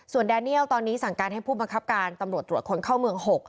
แดเนียลตอนนี้สั่งการให้ผู้บังคับการตำรวจตรวจคนเข้าเมือง๖